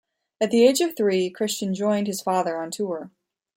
At the age of three, Christian joined his father on tour.